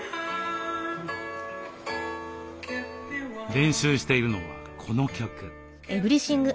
練習しているのはこの曲。